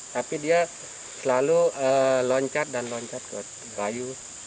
tapi dia selalu loncat dan loncat ke bayu